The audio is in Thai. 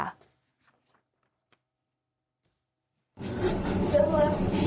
ไม่ห่วง